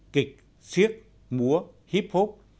kịch siếc múa hip hop